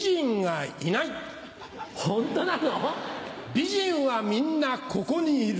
美人はみんなここにいる。